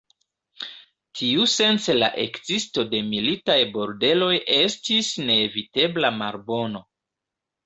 Tiusence la ekzisto de militaj bordeloj estis neevitebla malbono.